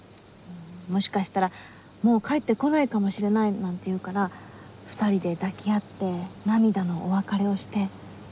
もしかしたらもう帰ってこないかもしれないなんて言うから２人で抱き合って涙のお別れをして。